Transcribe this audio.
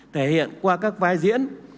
thể hiện qua các vai diễn